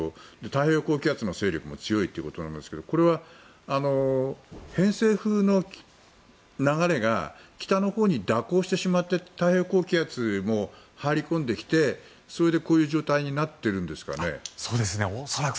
太平洋高気圧の勢力も強いということなんですけどこれは偏西風の流れが北のほうに蛇行してしまって太平洋高気圧も入り込んできてそれでこういう状態になってるんですかね。